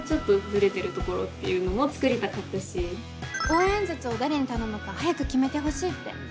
応援演説を誰に頼むか早く決めてほしいって。